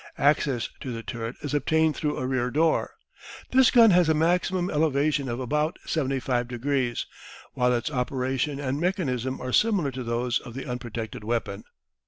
Access to the turret is obtained through a rear door. This gun has a maximum elevation of about 75 degrees, while its operation and mechanism are similar to those of the unprotected weapon.